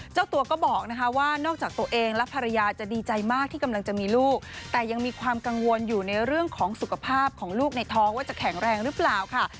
เจ้าตัวก็บอกนะคะว่านอกจากตัวเองและภรรยาจะดีใจมากที่กำลังจะมีลูกแต่ยังมีความกังวลอยู่ในเรื่องของสุขภาพของลูกในท้องว่าจะแข็งแรงหรือเปล่าค่ะ